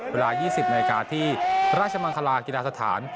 เวลา๒๐นาฬิกาที่ราชมังคลากีฬาสถาน